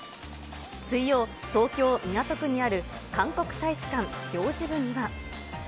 水曜、東京・港区にある韓国大使館領事部には。